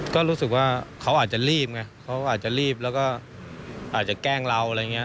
ก็รู้สึกว่าเขาอาจจะรีบไงเขาอาจจะรีบแล้วก็อาจจะแกล้งเราอะไรอย่างนี้